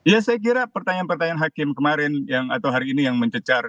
ya saya kira pertanyaan pertanyaan hakim kemarin atau hari ini yang mencecar